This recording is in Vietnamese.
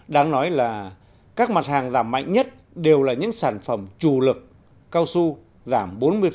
đáng nói là các mặt hàng giảm mạnh nhất đều là những sản phẩm chủ lực cao su giảm bốn mươi